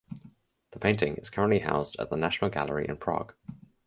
The painting is currently housed at the National Gallery in Prague.